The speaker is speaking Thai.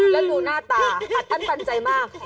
แล้วหนูหน้าตาอันตันปันใจมาก